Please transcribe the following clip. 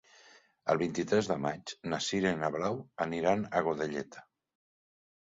El vint-i-tres de maig na Sira i na Blau aniran a Godelleta.